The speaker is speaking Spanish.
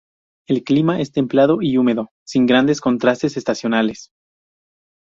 El clima es templado y húmedo, sin grandes contrastes estacionales.